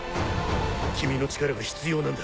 君の力が必要なんだ。